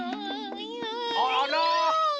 あら！